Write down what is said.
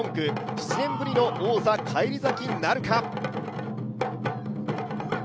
７年ぶりの王座返り咲きなるか。